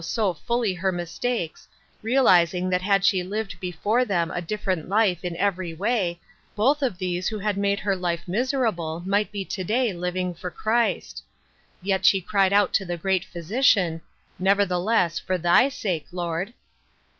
so fully her mistakes, realizing that had she lived be fore them a different life in every way, both of these who had made her life miserable might be to day living for Christ ; yet she cried out to the great Physician, " Nevertheless, for thy sake, Lord."